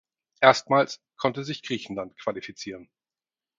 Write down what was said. Erstmals konnte sich Griechenland qualifizieren.